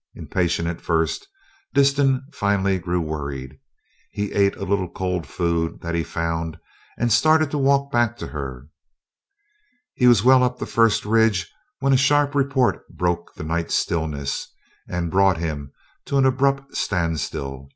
Impatient at first, Disston finally grew worried. He ate a little cold food that he found, and started to walk back to her. He was well up the first ridge when a sharp report broke the night stillness and brought him to an abrupt standstill.